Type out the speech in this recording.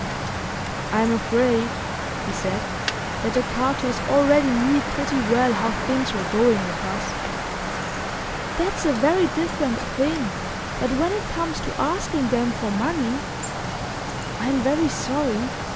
'I'm afraid,' he said, 'that the Carters already knew pretty well how things were going with us.' 'That's a very different thing. But when it comes to asking them for money ' 'I'm very sorry.